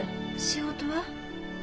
仕事は？